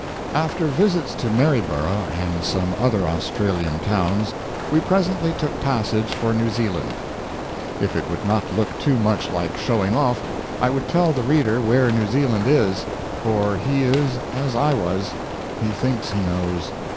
After visits to Maryborough and some other Australian towns, we presently took passage for New Zealand. If it would not look too much like showing off, I would tell the reader where New Zealand is; for he is as I was; he thinks he knows.